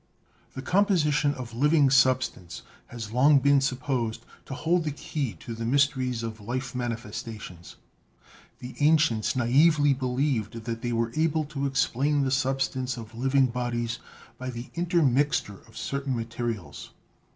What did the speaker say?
The composition of living sub stance has long been supposed to hold the key to the mys teries of life manifestations. The ancients naively believed that they were able to explain the substance of living bodies by the intermixture of certain materials.